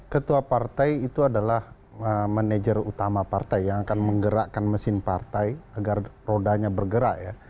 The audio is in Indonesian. ketua partai itu adalah manajer utama partai yang akan menggerakkan mesin partai agar rodanya bergerak ya